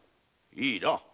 いいな。